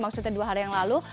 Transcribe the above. maksudnya dua hari yang lalu